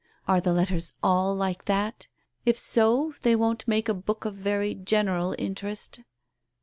Are the letters all like that? If so, they won't made a book of very general interest."